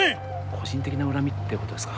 個人的な恨みってことですか